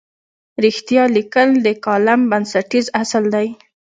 رښتیا لیکل د کالم بنسټیز اصل دی.